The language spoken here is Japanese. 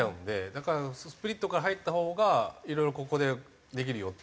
だからスプリットから入ったほうがいろいろここでできるよっていう。